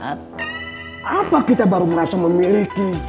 apa kita baru merasa memiliki